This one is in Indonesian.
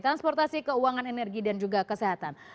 transportasi keuangan energi dan juga kesehatan